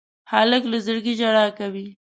هلک له زړګي ژړا کوي.